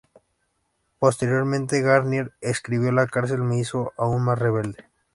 Posteriormente, Garnier escribió: "la cárcel me hizo aún más rebelde".